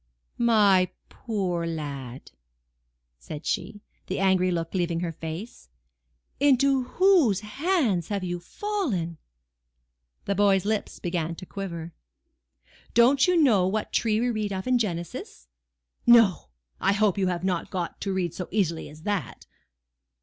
"My poor lad!" said she, the angry look leaving her face, "into whose hands have you fallen?" The boy's lips began to quiver. "Don't you know what tree we read of in Genesis?—No! I hope you have not got to read so easily as that."